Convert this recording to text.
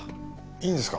いいんですか？